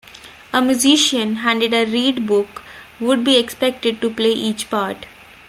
A musician handed a reed book would be expected to play each part.